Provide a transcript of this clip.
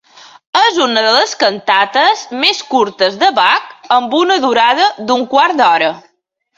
És una de les cantates més curtes de Bach amb una durada d'un quart d'hora.